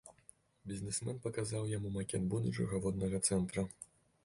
Бізнэсмен паказаў яму макет будучага воднага цэнтра.